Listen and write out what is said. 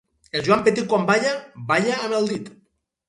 En Joan Petit quan balla, balla amb el dit.